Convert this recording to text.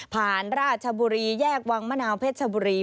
ราชบุรีแยกวังมะนาวเพชรชบุรี